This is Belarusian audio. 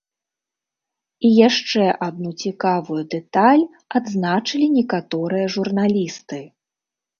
І яшчэ адну цікавую дэталь адзначылі некаторыя журналісты.